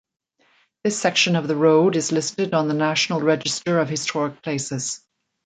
This section of the road is listed on the National Register of Historic Places.